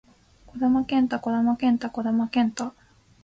児玉幹太児玉幹太児玉幹太